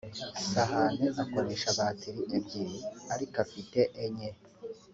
Sahane akoresha batiri ebyiri ariko afite enye